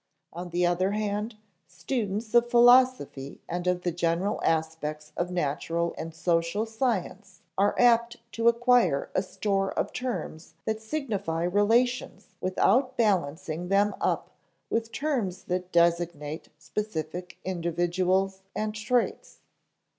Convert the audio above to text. On the other hand, students of philosophy and of the general aspects of natural and social science are apt to acquire a store of terms that signify relations without balancing them up with terms that designate specific individuals and traits.